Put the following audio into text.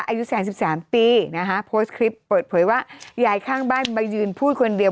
อายุ๓๓ปีนะคะโพสต์คลิปเปิดเผยว่ายายข้างบ้านมายืนพูดคนเดียว